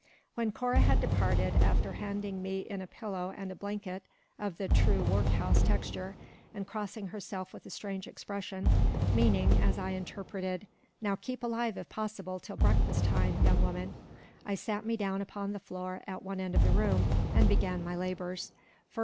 When Cora had departed, after handing me in a pillow and a blanket of the true work house texture, and crossing herself with a strange expression, meaning, as I interpreted, "Now keep alive if possible till breakfast time, young woman," I sat me down upon the floor at one end of the room, and began my labours. First.